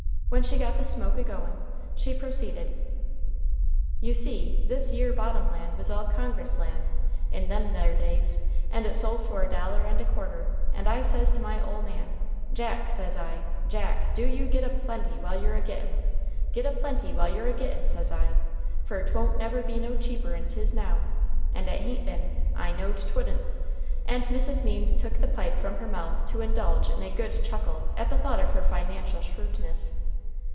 When she got the smoke a going, she proceeded: "You see, this yere bottom land was all Congress land in them there days, and it sold for a dollar and a quarter, and I says to my ole man, 'Jack,' says I, 'Jack, do you git a plenty while you're a gittin'. Git a plenty while you're a gittin',' says I, 'fer 'twon't never be no cheaper'n 'tis now,' and it ha'n't been; I knowed 'twouldn't," and Mrs. Means took the pipe from her mouth to indulge in a good chuckle at the thought of her financial shrewdness.